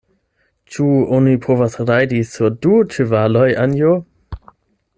Ĉu oni povas rajdi sur du ĉevaloj, Anjo?